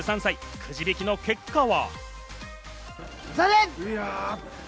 くじ引きの結果は？